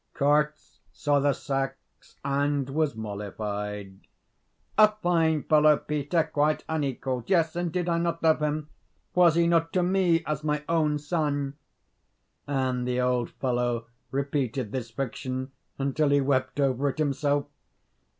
Korzh saw the sacks and was mollified. "A fine fellow, Peter, quite unequalled! yes, and did I not love him? Was he not to me as my own son?" And the old fellow repeated this fiction until he wept over it himself.